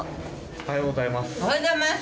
おはようございます！